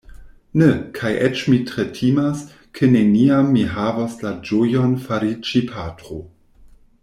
Ne; kaj eĉ mi tre timas, ke neniam mi havos la ĝojon fariĝi patro.